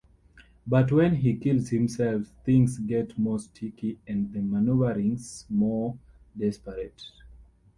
But when he kills himself, things get more sticky and the maneuverings more desperate.